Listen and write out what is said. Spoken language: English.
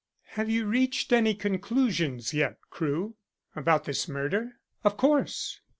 "Have you reached any conclusions yet, Crewe?" "About this murder?" "Of course."